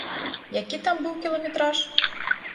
Які там быў кіламетраж?